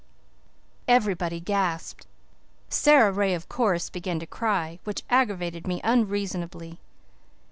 Everybody gasped. Sara Ray, of course, began to cry, which aggravated me unreasonably.